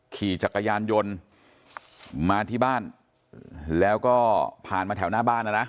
ขี่จักรยานยนต์มาที่บ้านแล้วก็ผ่านมาแถวหน้าบ้านนะนะ